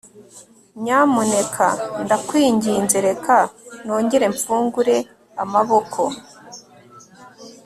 nyamuneka ndakwinginze reka nongere mfungure amaboko